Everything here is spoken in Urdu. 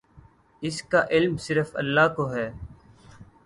اس کا علم صرف اللہ کو ہے۔